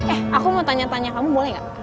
eh aku mau tanya tanya kamu boleh gak